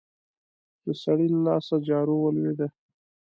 د سړي له لاسه جارو ولوېده.